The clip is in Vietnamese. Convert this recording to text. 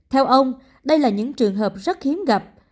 theo ông đây là những trường hợp rất hiếm gặp